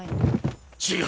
違う！